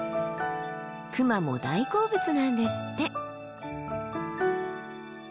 クマも大好物なんですって。